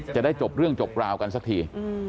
จะได้จบเรื่องจบราวกันสักที